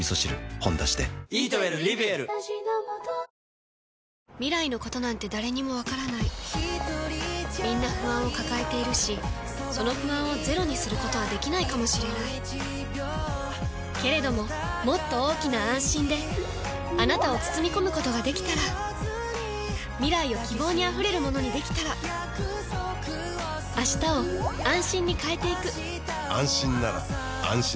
「ほんだし」で未来のことなんて誰にもわからないみんな不安を抱えているしその不安をゼロにすることはできないかもしれないけれどももっと大きな「あんしん」であなたを包み込むことができたら未来を希望にあふれるものにできたら変わりつづける世界に、「あんしん」を。